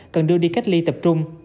cần đưa đi cách ly tập trung